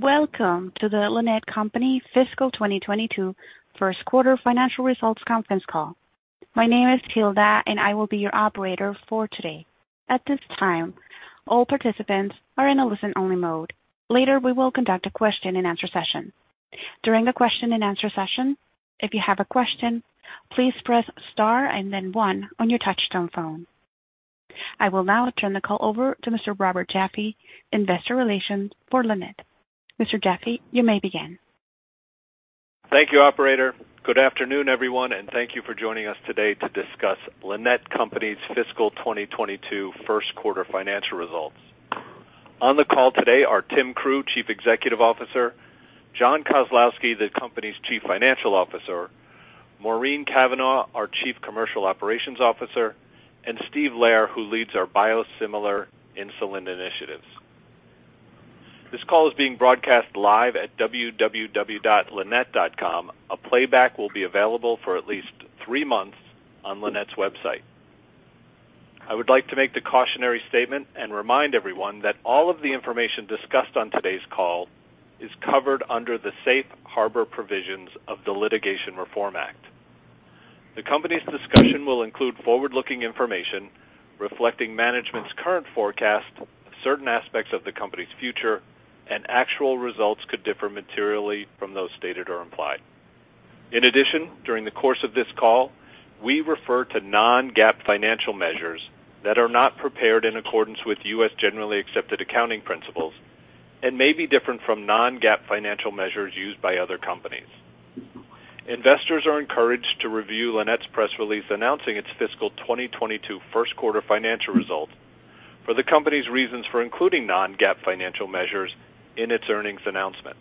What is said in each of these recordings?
Welcome to the Lannett Company Fiscal 2022 first quarter financial results conference call. My name is Hilda, and I will be your operator for today. At this time, all participants are in a listen-only mode. Later, we will conduct a question-and-answer session. During the question-and-answer session, if you have a question, please press star and then one on your touchtone phone. I will now turn the call over to Mr. Robert Jaffe, investor relations for Lannett. Mr. Jaffe, you may begin. Thank you, operator. Good afternoon, everyone, and thank you for joining us today to discuss Lannett Company's fiscal 2022 first quarter financial results. On the call today are Tim Crew, Chief Executive Officer, John Kozlowski, the company's Chief Financial Officer, Maureen Cavanaugh, our Chief Commercial Operations Officer, and Steve Lehrer, who leads our biosimilar insulin initiatives. This call is being broadcast live at www.lannett.com. A playback will be available for at least three months on Lannett's website. I would like to make the cautionary statement and remind everyone that all of the information discussed on today's call is covered under the safe harbor provisions of the Litigation Reform Act. The company's discussion will include forward-looking information reflecting management's current forecast of certain aspects of the company's future, and actual results could differ materially from those stated or implied. In addition, during the course of this call, we refer to non-GAAP financial measures that are not prepared in accordance with U.S. generally accepted accounting principles and may be different from non-GAAP financial measures used by other companies. Investors are encouraged to review Lannett's press release announcing its fiscal 2022 first quarter financial results for the company's reasons for including non-GAAP financial measures in its earnings announcement.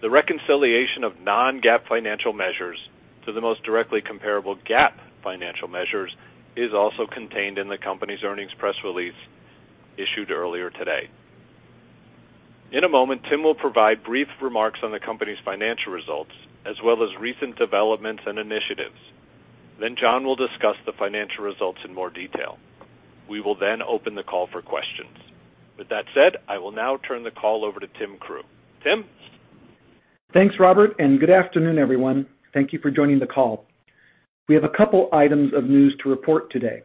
The reconciliation of non-GAAP financial measures to the most directly comparable GAAP financial measures is also contained in the company's earnings press release issued earlier today. In a moment, Tim will provide brief remarks on the company's financial results, as well as recent developments and initiatives. Then John will discuss the financial results in more detail. We will then open the call for questions. With that said, I will now turn the call over to Tim Crew. Tim. Thanks, Robert, and good afternoon, everyone. Thank you for joining the call. We have a couple items of news to report today.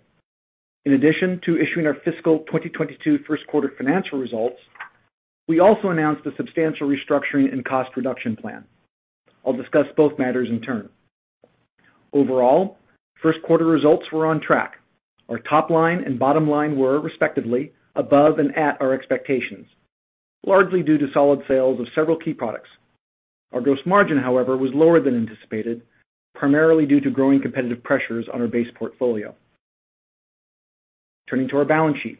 In addition to issuing our fiscal 2022 first quarter financial results, we also announced a substantial restructuring and cost reduction plan. I'll discuss both matters in turn. Overall, first quarter results were on track. Our top line and bottom line were respectively above and at our expectations, largely due to solid sales of several key products. Our gross margin, however, was lower than anticipated, primarily due to growing competitive pressures on our base portfolio. Turning to our balance sheet.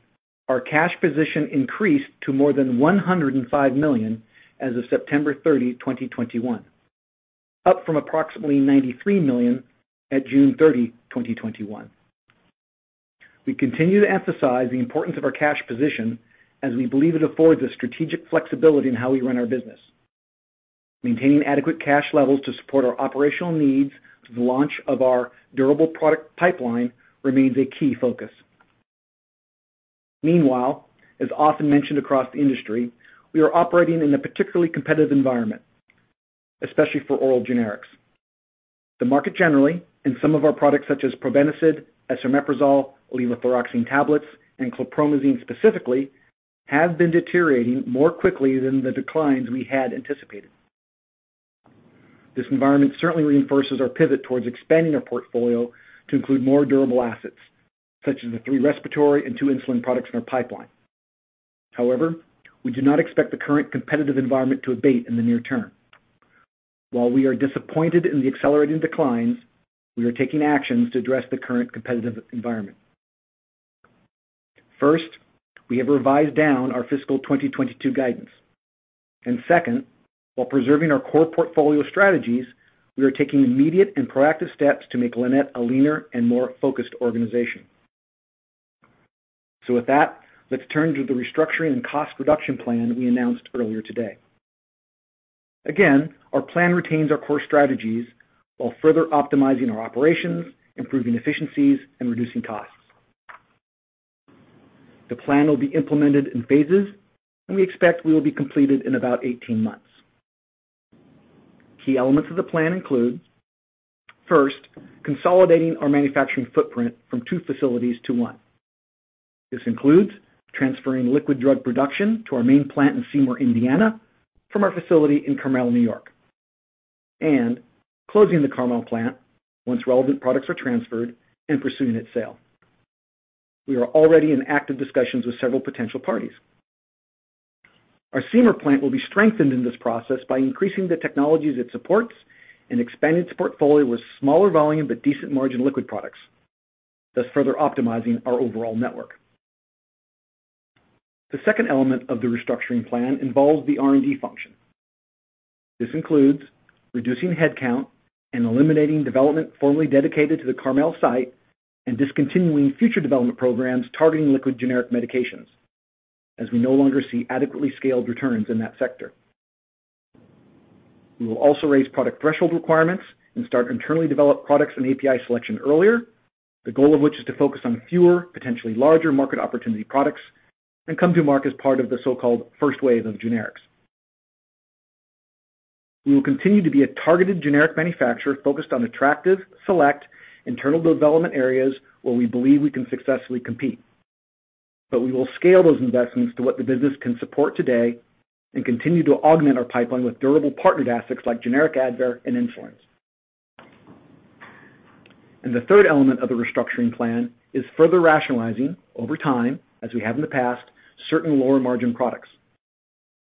Our cash position increased to more than $105 million as of September 30, 2021, up from approximately $93 million at June 30, 2021. We continue to emphasize the importance of our cash position as we believe it affords us strategic flexibility in how we run our business. Maintaining adequate cash levels to support our operational needs for the launch of our durable product pipeline remains a key focus. Meanwhile, as often mentioned across the industry, we are operating in a particularly competitive environment, especially for oral generics. The market generally, and some of our products such as probenecid, esomeprazole, levothyroxine tablets, and chlorpromazine specifically, have been deteriorating more quickly than the declines we had anticipated. This environment certainly reinforces our pivot towards expanding our portfolio to include more durable assets, such as the three respiratory and two insulin products in our pipeline. However, we do not expect the current competitive environment to abate in the near term. While we are disappointed in the accelerating declines, we are taking actions to address the current competitive environment. First, we have revised down our fiscal 2022 guidance. Second, while preserving our core portfolio strategies, we are taking immediate and proactive steps to make Lannett a leaner and more focused organization. With that, let's turn to the restructuring and cost reduction plan we announced earlier today. Again, our plan retains our core strategies while further optimizing our operations, improving efficiencies, and reducing costs. The plan will be implemented in phases, and we expect we will be completed in about 18 months. Key elements of the plan include, first, consolidating our manufacturing footprint from two facilities to one. This includes transferring liquid drug production to our main plant in Seymour, Indiana, from our facility in Carmel, New York. Closing the Carmel plant once relevant products are transferred and pursuing its sale. We are already in active discussions with several potential parties. Our Seymour plant will be strengthened in this process by increasing the technologies it supports and expanding its portfolio with smaller volume but decent margin liquid products, thus further optimizing our overall network. The second element of the restructuring plan involves the R&D function. This includes reducing headcount and eliminating development formerly dedicated to the Carmel site and discontinuing future development programs targeting liquid generic medications, as we no longer see adequately scaled returns in that sector. We will also raise product threshold requirements and start internally developed products and API selection earlier, the goal of which is to focus on fewer, potentially larger market opportunity products and come to market as part of the so-called first wave of generics. We will continue to be a targeted generic manufacturer focused on attractive, select internal development areas where we believe we can successfully compete. We will scale those investments to what the business can support today and continue to augment our pipeline with durable partnered assets like generic Advair and insulin. The third element of the restructuring plan is further rationalizing over time, as we have in the past, certain lower margin products.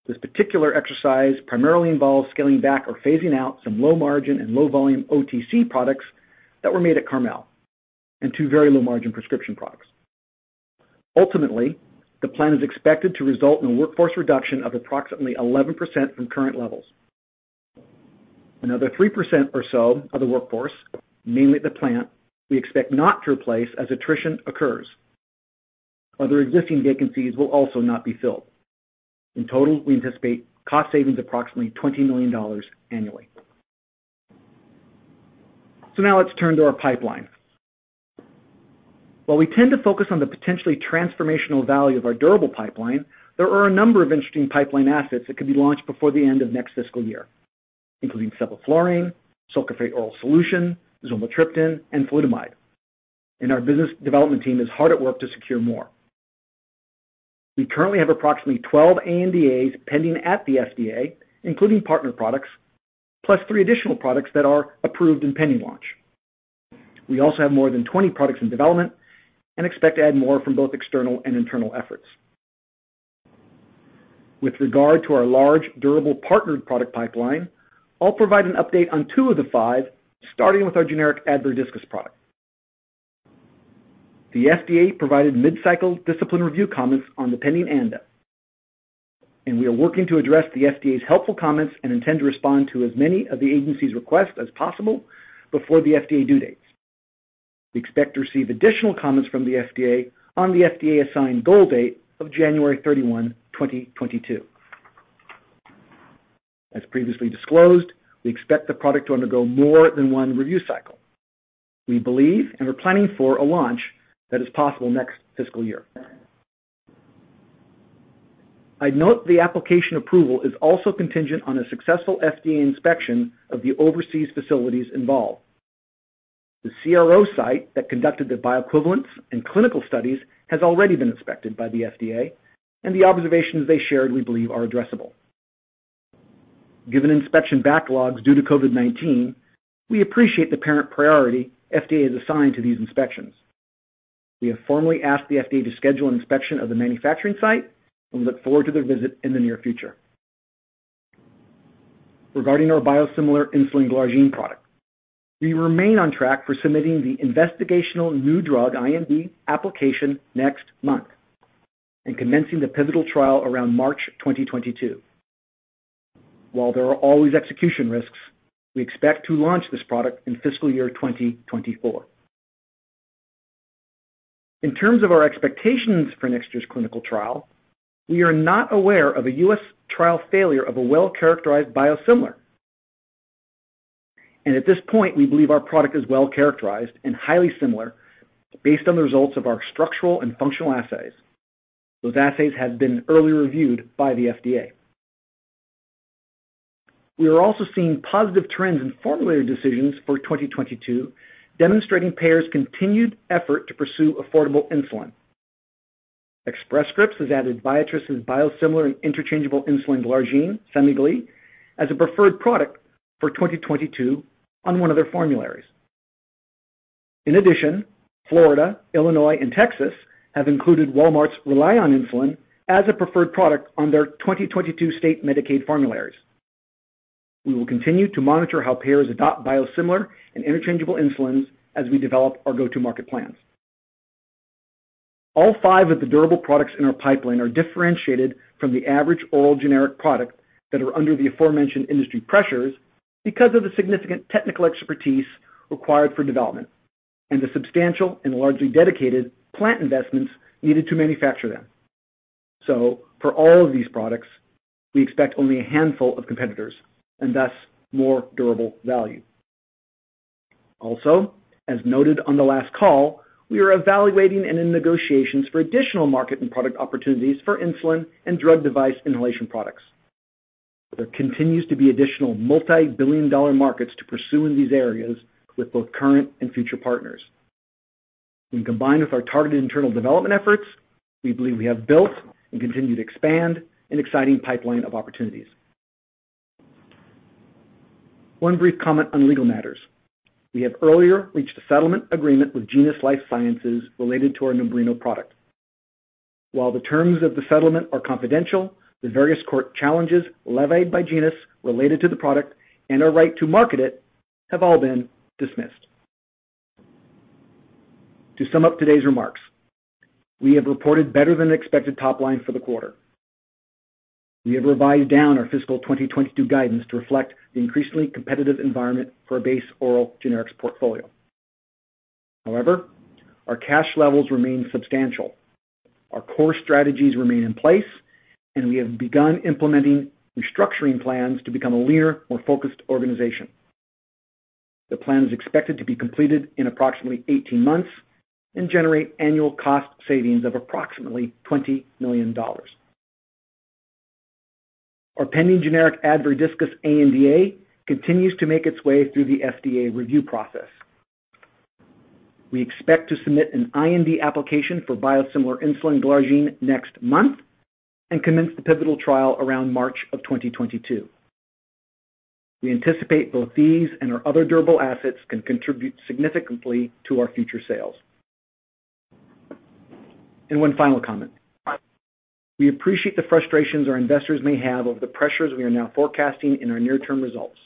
This particular exercise primarily involves scaling back or phasing out some low margin and low volume OTC products that were made at Carmel and two very low margin prescription products. Ultimately, the plan is expected to result in a workforce reduction of approximately 11% from current levels. Another 3% or so of the workforce, mainly at the plant, we expect not to replace as attrition occurs. Other existing vacancies will also not be filled. In total, we anticipate cost savings approximately $20 million annually. Now let's turn to our pipeline. While we tend to focus on the potentially transformational value of our durable pipeline, there are a number of interesting pipeline assets that could be launched before the end of next fiscal year, including cefaclor, sucralfate oral solution, zolmitriptan, and flutamide. Our business development team is hard at work to secure more. We currently have approximately 12 ANDAs pending at the FDA, including partner products, plus three additional products that are approved and pending launch. We also have more than 20 products in development and expect to add more from both external and internal efforts. With regard to our large, durable partnered product pipeline, I'll provide an update on two of the five, starting with our generic Advair Diskus product. The FDA provided mid-cycle discipline review comments on the pending ANDA, and we are working to address the FDA's helpful comments and intend to respond to as many of the agency's requests as possible before the FDA due dates. We expect to receive additional comments from the FDA on the FDA-assigned goal date of January 31, 2022. As previously disclosed, we expect the product to undergo more than one review cycle. We believe and we're planning for a launch that is possible next fiscal year. I'd note the application approval is also contingent on a successful FDA inspection of the overseas facilities involved. The CRO site that conducted the bioequivalence and clinical studies has already been inspected by the FDA, and the observations they shared, we believe, are addressable. Given inspection backlogs due to COVID-19, we appreciate the apparent priority FDA has assigned to these inspections. We have formally asked the FDA to schedule an inspection of the manufacturing site and look forward to their visit in the near future. Regarding our biosimilar insulin glargine product, we remain on track for submitting the investigational new drug, IND, application next month and commencing the pivotal trial around March 2022. While there are always execution risks, we expect to launch this product in fiscal year 2024. In terms of our expectations for next year's clinical trial, we are not aware of a U.S. trial failure of a well-characterized biosimilar. At this point, we believe our product is well-characterized and highly similar based on the results of our structural and functional assays. Those assays have been early reviewed by the FDA. We are also seeing positive trends in formulary decisions for 2022, demonstrating payers' continued effort to pursue affordable insulin. Express Scripts has added Viatris' biosimilar and interchangeable insulin glargine, Semglee, as a preferred product for 2022 on one of their formularies. In addition, Florida, Illinois, and Texas have included Walmart's ReliOn insulin as a preferred product on their 2022 state Medicaid formularies. We will continue to monitor how payers adopt biosimilar and interchangeable insulins as we develop our go-to-market plans. All five of the durable products in our pipeline are differentiated from the average oral generic product that are under the aforementioned industry pressures because of the significant technical expertise required for development and the substantial and largely dedicated plant investments needed to manufacture them. For all of these products, we expect only a handful of competitors and thus more durable value. As noted on the last call, we are evaluating and in negotiations for additional market and product opportunities for insulin and drug device inhalation products. There continues to be additional multi-billion dollar markets to pursue in these areas with both current and future partners. When combined with our targeted internal development efforts, we believe we have built and continue to expand an exciting pipeline of opportunities. One brief comment on legal matters. We have earlier reached a settlement agreement with Genus Lifesciences related to our Numbrino product. While the terms of the settlement are confidential, the various court challenges levied by Genus related to the product and our right to market it have all been dismissed. To sum up today's remarks, we have reported better-than-expected top line for the quarter. We have revised down our fiscal 2022 guidance to reflect the increasingly competitive environment for our base oral generics portfolio. However, our cash levels remain substantial. Our core strategies remain in place, and we have begun implementing restructuring plans to become a leaner, more focused organization. The plan is expected to be completed in approximately 18 months and generate annual cost savings of approximately $20 million. Our pending generic Advair Diskus ANDA continues to make its way through the FDA review process. We expect to submit an IND application for biosimilar insulin glargine next month and commence the pivotal trial around March 2022. We anticipate both these and our other durable assets can contribute significantly to our future sales. One final comment. We appreciate the frustrations our investors may have over the pressures we are now forecasting in our near-term results.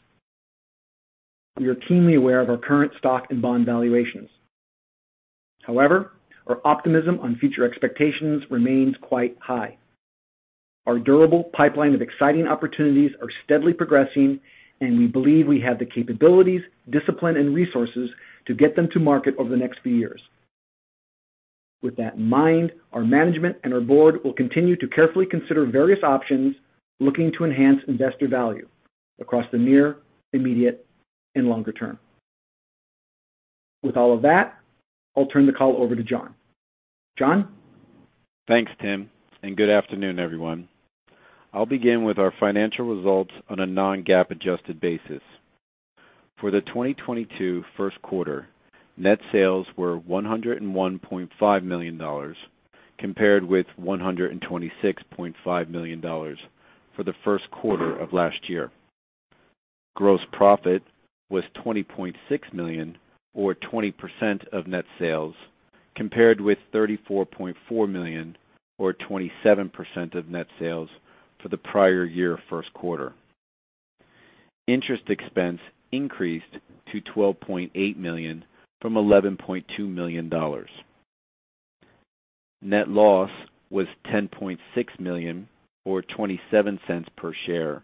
We are keenly aware of our current stock and bond valuations. However, our optimism on future expectations remains quite high. Our durable pipeline of exciting opportunities are steadily progressing, and we believe we have the capabilities, discipline, and resources to get them to market over the next few years. With that in mind, our management and our board will continue to carefully consider various options, looking to enhance investor value across the near, immediate, and longer term. With all of that, I'll turn the call over to John. John? Thanks, Tim, and good afternoon, everyone. I'll begin with our financial results on a non-GAAP adjusted basis. For the 2022 first quarter, net sales were $101.5 million, compared with $126.5 million for the first quarter of last year. Gross profit was $20.6 million or 20% of net sales, compared with $34.4 million or 27% of net sales for the prior year first quarter. Interest expense increased to $12.8 million from $11.2 million. Net loss was $10.6 million or $0.27 per share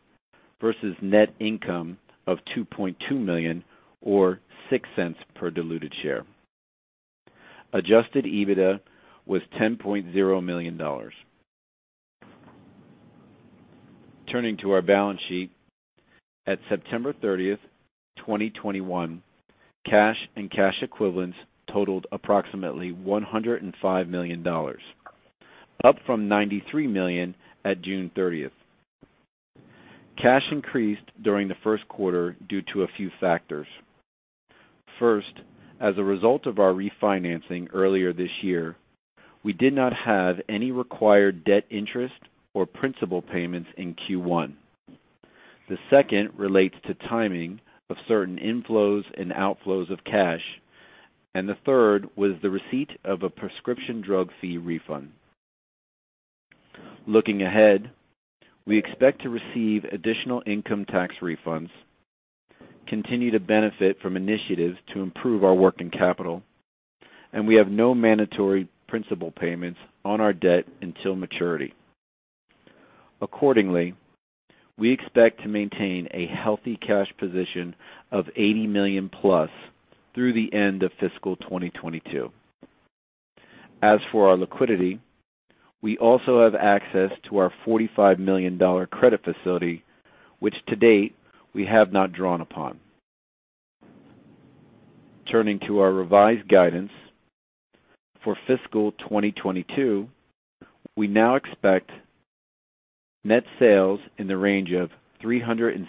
versus net income of $2.2 million or $0.06 per diluted share. Adjusted EBITDA was $10.0 million. Turning to our balance sheet, at September 30th, 2021, cash and cash equivalents totaled approximately $105 million, up from $93 million at June 30th. Cash increased during the first quarter due to a few factors. First, as a result of our refinancing earlier this year, we did not have any required debt interest or principal payments in Q1. The second relates to timing of certain inflows and outflows of cash, and the third was the receipt of a prescription drug fee refund. Looking ahead, we expect to receive additional income tax refunds, continue to benefit from initiatives to improve our working capital, and we have no mandatory principal payments on our debt until maturity. Accordingly, we expect to maintain a healthy cash position of $80+ million through the end of fiscal 2022. As for our liquidity, we also have access to our $45 million credit facility, which to date we have not drawn upon. Turning to our revised guidance for fiscal 2022, we now expect net sales in the range of $370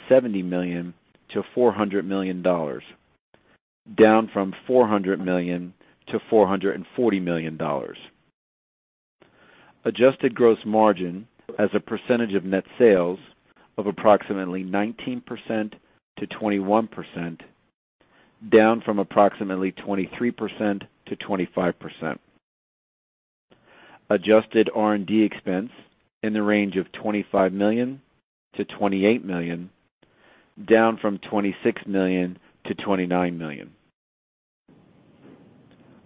million-$400 million, down from $400 million-$440 million. Adjusted gross margin as a percentage of net sales of approximately 19%-21%, down from approximately 23%-25%. Adjusted R&D expense in the range of $25 million-$28 million, down from $26 million-$29 million.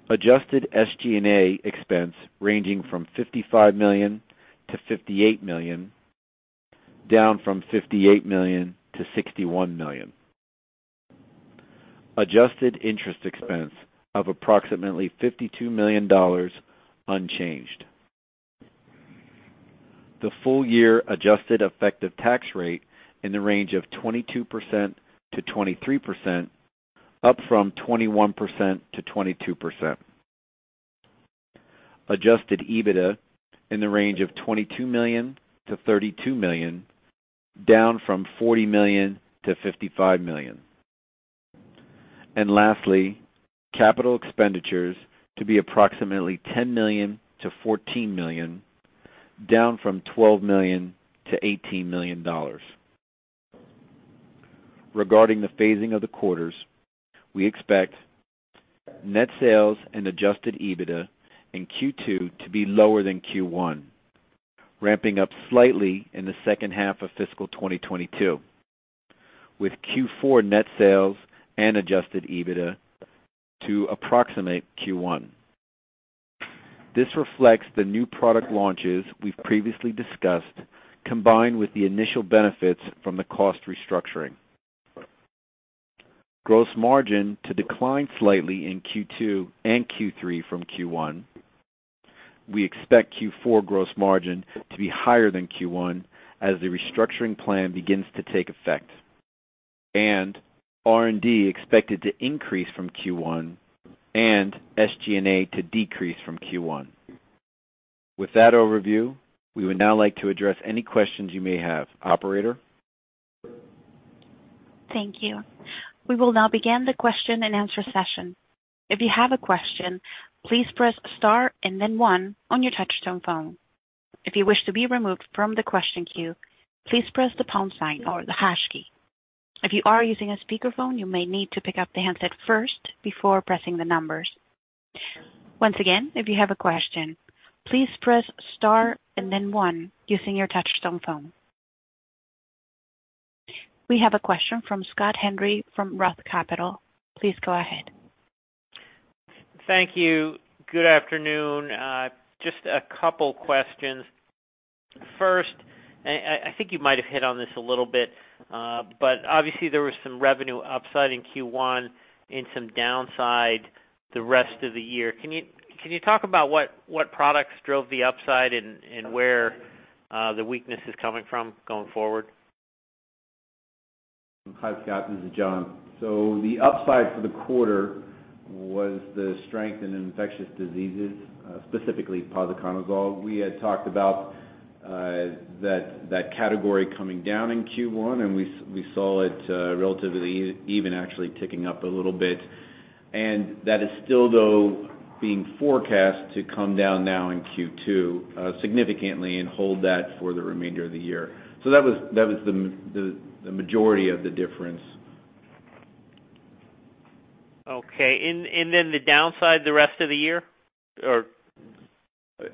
Adjusted SG&A expense ranging from $55 million-$58 million, down from $58 million-$61 million. Adjusted interest expense of approximately $52 million unchanged. The full-year adjusted effective tax rate in the range of 22%-23%, up from 21%-22%. Adjusted EBITDA in the range of $22 million-$32 million, down from $40 million-$55 million. Lastly, capital expenditures to be approximately $10 million-$14 million, down from $12 million-$18 million. Regarding the phasing of the quarters, we expect net sales and adjusted EBITDA in Q2 to be lower than Q1, ramping up slightly in the second half of fiscal 2022, with Q4 net sales and adjusted EBITDA to approximate Q1. This reflects the new product launches we've previously discussed, combined with the initial benefits from the cost restructuring. Gross margin to decline slightly in Q2 and Q3 from Q1. We expect Q4 gross margin to be higher than Q1 as the restructuring plan begins to take effect, and R&D expected to increase from Q1 and SG&A to decrease from Q1. With that overview, we would now like to address any questions you may have. Operator? Thank you. We will now begin the question-and-answer session. If you have a question, please press star and then one on your touchtone phone. If you wish to be removed from the question queue, please press the pound sign or the hash key. If you are using a speakerphone, you may need to pick up the handset first before pressing the numbers. Once again, if you have a question, please press star and then one using your touchtone phone. We have a question from Scott Henry from ROTH Capital. Please go ahead. Thank you. Good afternoon. Just a couple questions. First, I think you might have hit on this a little bit, but obviously there was some revenue upside in Q1 and some downside the rest of the year. Can you talk about what products drove the upside and where the weakness is coming from going forward? Hi, Scott, this is John. The upside for the quarter was the strength in infectious diseases, specifically posaconazole. We had talked about that category coming down in Q1, and we saw it relatively even, actually ticking up a little bit. That is still though being forecast to come down now in Q2 significantly and hold that for the remainder of the year. That was the majority of the difference. Okay. The downside the rest of the year.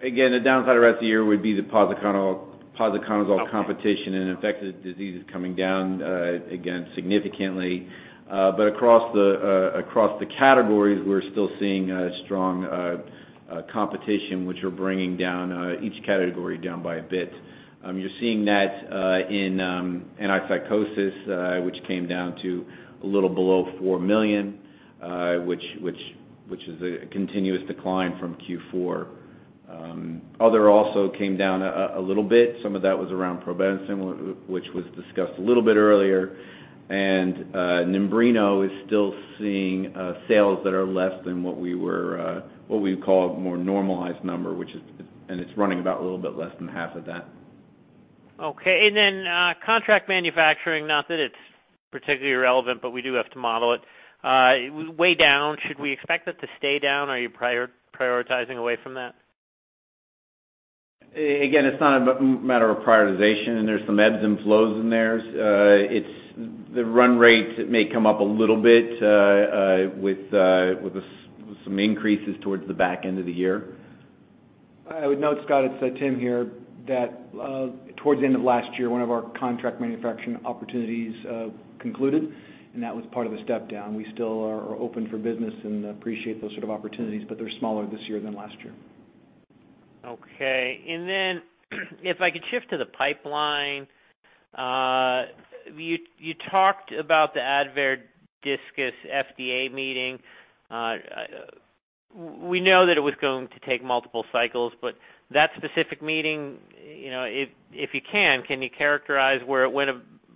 Again, the downside the rest of the year would be the posaconazole competition and infectious diseases coming down, again, significantly. But across the categories, we're still seeing a strong competition, which are bringing down each category by a bit. You're seeing that in antipsychotics, which came down to a little below $4 million, which is a continuous decline from Q4. Other also came down a little bit. Some of that was around probenecid, which was discussed a little bit earlier. Numbrino is still seeing sales that are less than what we were what we call a more normalized number, and it's running about a little bit less than half of that. Okay. Contract manufacturing. Not that it's particularly relevant, but we do have to model it. Way down. Should we expect it to stay down? Are you prioritizing away from that? Again, it's not a matter of prioritization. There's some ebbs and flows in there. The run rate may come up a little bit with some increases towards the back end of the year. I would note, Scott, it's Tim here, that, towards the end of last year, one of our contract manufacturing opportunities concluded, and that was part of the step down. We still are open for business and appreciate those sort of opportunities, but they're smaller this year than last year. Okay. Then if I could shift to the pipeline. You talked about the Advair Diskus FDA meeting. We know that it was going to take multiple cycles, but that specific meeting, you know, if you can you characterize where it went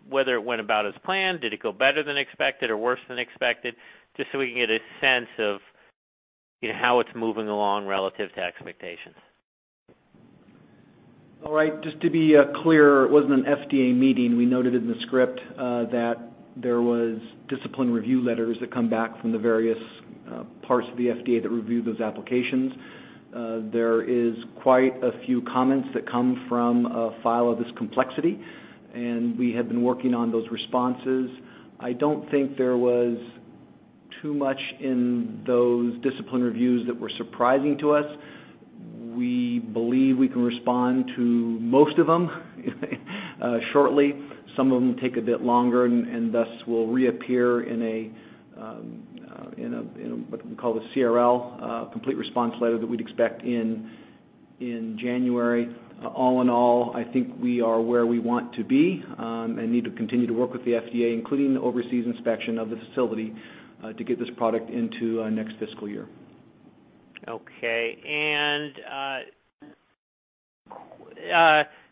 whether it went about as planned? Did it go better than expected or worse than expected? Just so we can get a sense of, you know, how it's moving along relative to expectations. All right. Just to be clear, it wasn't an FDA meeting. We noted in the script that there was Discipline Review Letters that come back from the various parts of the FDA that review those applications. There is quite a few comments that come from a file of this complexity, and we have been working on those responses. I don't think there was too much in those Discipline Reviews that were surprising to us. We believe we can respond to most of them shortly. Some of them take a bit longer and thus will reappear in a what we call the CRL, complete response letter that we'd expect in January. All in all, I think we are where we want to be, and need to continue to work with the FDA, including the overseas inspection of the facility, to get this product into next fiscal year. Okay.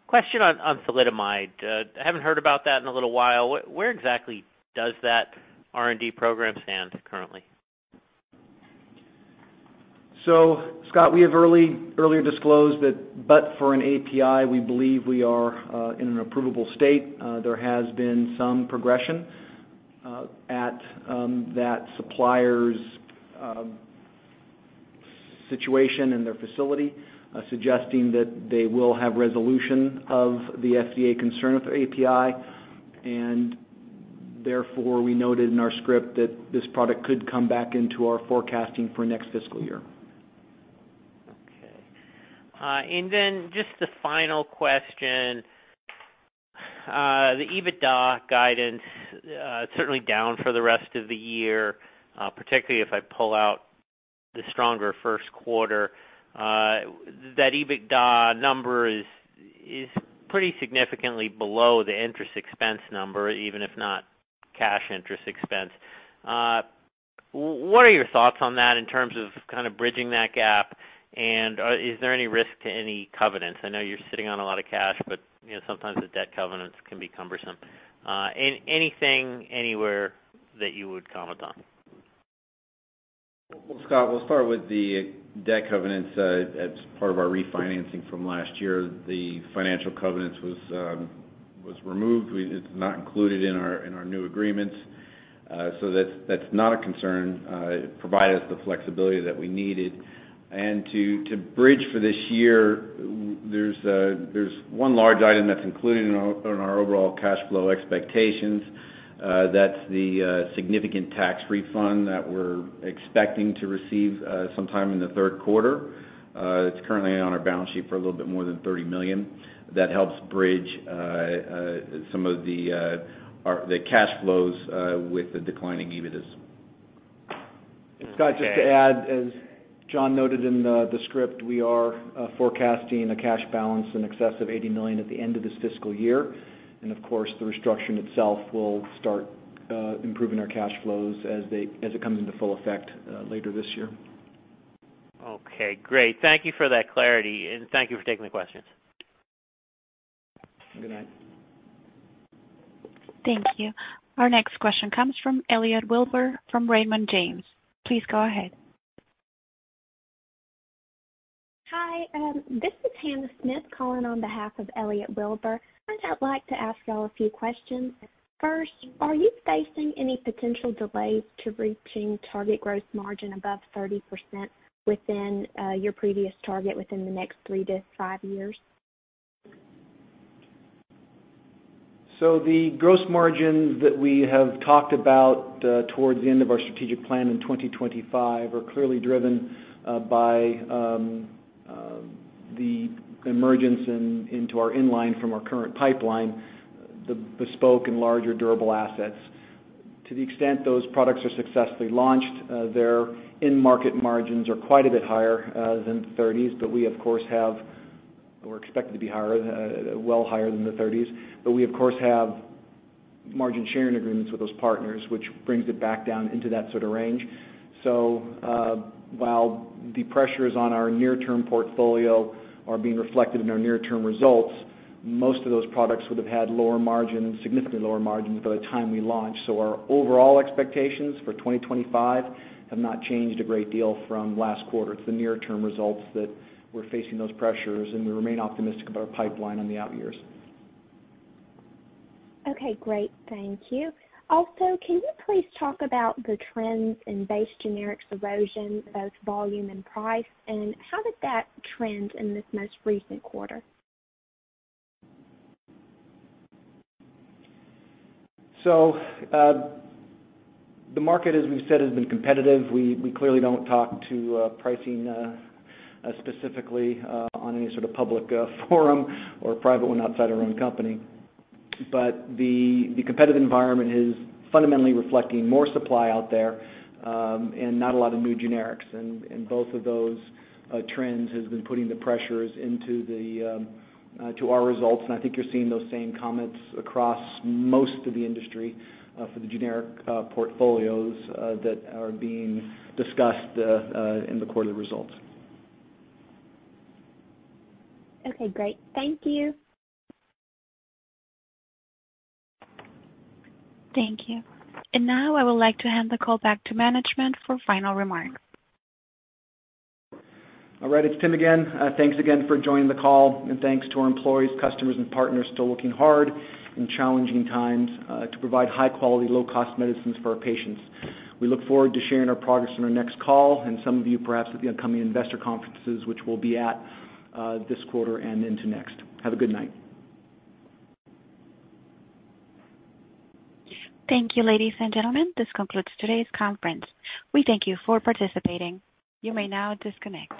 Question on thalidomide. I haven't heard about that in a little while. Where exactly does that R&D program stand currently? Scott, we have earlier disclosed that but for an API, we believe we are in an approvable state. There has been some progression at that supplier's situation in their facility, suggesting that they will have resolution of the FDA concern with API. Therefore, we noted in our script that this product could come back into our forecasting for next fiscal year. Okay. Just the final question. The EBITDA guidance, certainly down for the rest of the year, particularly if I pull out the stronger first quarter. That EBITDA number is pretty significantly below the interest expense number, even if not cash interest expense. What are your thoughts on that in terms of kind of bridging that gap? Is there any risk to any covenants? I know you're sitting on a lot of cash, but, you know, sometimes the debt covenants can be cumbersome. Anything anywhere that you would comment on? Well, Scott, we'll start with the debt covenants. As part of our refinancing from last year, the financial covenants was removed. It's not included in our new agreements. So that's not a concern. It provided us the flexibility that we needed. To bridge for this year, there's one large item that's included in our overall cash flow expectations. That's the significant tax refund that we're expecting to receive sometime in the third quarter. It's currently on our balance sheet for a little bit more than $30 million. That helps bridge some of the cash flows with the declining EBIT as- Okay. Scott, just to add, as John noted in the script, we are forecasting a cash balance in excess of $80 million at the end of this fiscal year. Of course, the restructuring itself will start improving our cash flows as it comes into full effect later this year. Okay, great. Thank you for that clarity, and thank you for taking the questions. Good night. Thank you. Our next question comes from Elliot Wilbur from Raymond James. Please go ahead. Hi, this is Hannah Smith calling on behalf of Elliot Wilbur. First, I'd like to ask y'all a few questions. First, are you facing any potential delays to reaching target gross margin above 30% within your previous target within the next three to five years? The gross margins that we have talked about towards the end of our strategic plan in 2025 are clearly driven by the emergence into our inline from our current pipeline, the bespoke and larger durable assets. To the extent those products are successfully launched, their end market margins are quite a bit higher than 30s%. We of course have margin sharing agreements with those partners, which brings it back down into that sort of range. While the pressures on our near-term portfolio are being reflected in our near-term results, most of those products would have had lower margins, significantly lower margins by the time we launched. Our overall expectations for 2025 have not changed a great deal from last quarter. It's the near-term results that we're facing those pressures, and we remain optimistic about our pipeline on the out years. Okay, great. Thank you. Also, can you please talk about the trends in base generics erosion, both volume and price, and how did that trend in this most recent quarter? The market, as we've said, has been competitive. We clearly don't talk about pricing specifically on any sort of public forum or private one outside our own company. The competitive environment is fundamentally reflecting more supply out there and not a lot of new generics. Both of those trends has been putting pressure on our results. I think you're seeing those same comments across most of the industry for the generic portfolios that are being discussed in the quarterly results. Okay, great. Thank you. Thank you. Now I would like to hand the call back to management for final remarks. All right, it's Tim again. Thanks again for joining the call and thanks to our employees, customers and partners still working hard in challenging times, to provide high quality, low cost medicines for our patients. We look forward to sharing our progress on our next call and some of you perhaps at the upcoming investor conferences, which we'll be at, this quarter and into next. Have a good night. Thank you, ladies and gentlemen. This concludes today's conference. We thank you for participating. You may now disconnect.